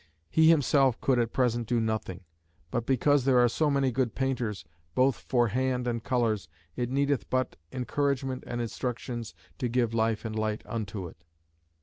He himself could at present do nothing; "but because there be so many good painters, both for hand and colours, it needeth but encouragement and instructions to give life and light unto it."